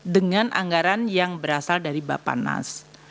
dengan anggaran yang berasal dari bapak nas